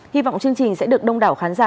hy vọng chương trình sẽ được đông đảo khán giả